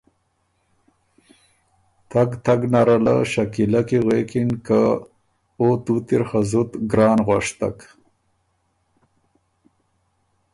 تګ تګ نره له شکیلۀ کی غوېکِن که ” او توت اِر خه زُت ګران غؤشتک“